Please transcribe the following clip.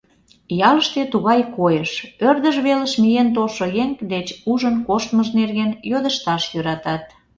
Ялыште тугай койыш: ӧрдыж велыш миен толшо еҥ деч ужын коштмыж нерген йодышташ йӧратат.